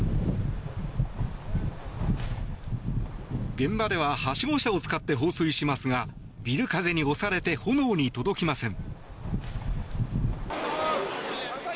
現場でははしご車を使って放水しますがビル風に押されて炎に届きません。